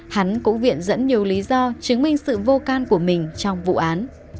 hắn cũng viện dẫn nhiều lý do chứng minh sự vô can của mình trong vụ án